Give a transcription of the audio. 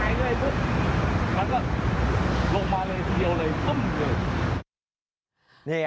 เนี่ยผมกำลังกำลังลงมาเลยทีเดียวเลย